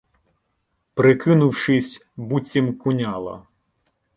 Прикинувшись, буцім куняла